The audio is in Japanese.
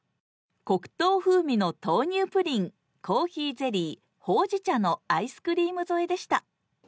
黒糖風味の豆乳プリンコーヒーゼリーほうじ茶のアイスクリーム添えでした。